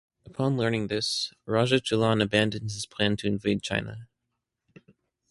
Upon learning this, Raja Chulan abandons his plan to invade China.